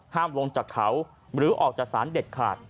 ลงจากเขาหรือออกจากศาลเด็ดขาด